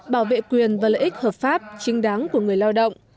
bảo vệ quyền và lợi ích hợp pháp chính đáng của người lao động